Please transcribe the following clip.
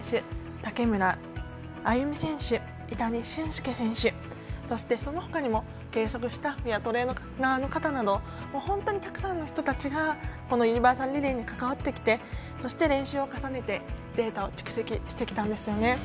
竹村明結美選手井谷俊介選手、そのほかにも計測スタッフやトレーナーの方など本当にたくさんの人たちがユニバーサルリレーに関わってきてそして、練習を重ねてデータを蓄積してきたんですよね。